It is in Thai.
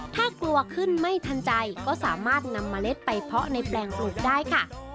ถ้ากลัวขึ้นไม่ทันใจก็สามารถนำเมล็ดไปเพาะในแปลงปลูกได้ค่ะ